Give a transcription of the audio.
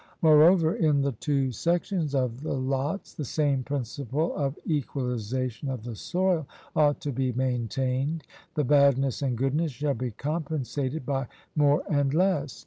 Moreover, in the two sections of the lots the same principle of equalization of the soil ought to be maintained; the badness and goodness shall be compensated by more and less.